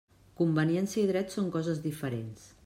Conveniència i dret són coses diferents.